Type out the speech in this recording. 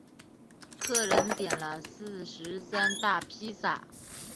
客人点了四十三大披萨